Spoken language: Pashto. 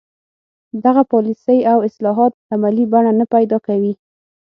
دغه پالیسۍ او اصلاحات عملي بڼه نه پیدا کوي.